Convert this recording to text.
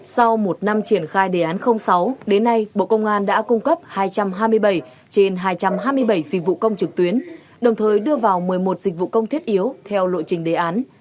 sau một năm triển khai đề án sáu đến nay bộ công an đã cung cấp hai trăm hai mươi bảy trên hai trăm hai mươi bảy dịch vụ công trực tuyến đồng thời đưa vào một mươi một dịch vụ công thiết yếu theo lộ trình đề án